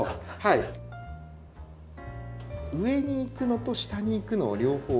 上に行くのと下に行くのを両方。